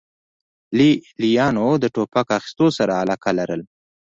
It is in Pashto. لې لیانو د ټوپک اخیستو سره علاقه لرله